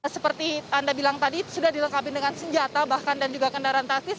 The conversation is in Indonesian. seperti anda bilang tadi sudah dilengkapi dengan senjata bahkan dan juga kendaraan taktis